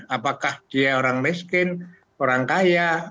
apakah dia orang miskin orang kaya